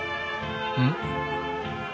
うん？